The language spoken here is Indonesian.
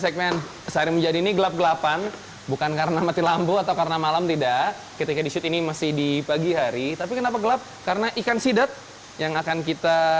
kita lanjut aktivitas hari ini